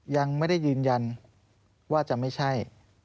ยังไม่ได้ยืนยันว่าจะไม่ใช่